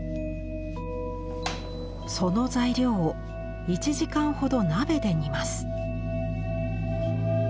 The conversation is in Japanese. その材料を１時間ほど鍋で煮ます。